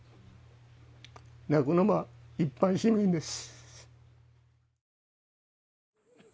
泣くのは一般市民です。